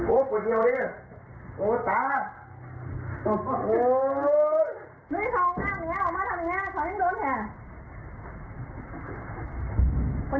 ออกมาไป